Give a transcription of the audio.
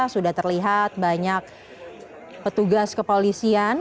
sudah terlihat banyak petugas kepolisian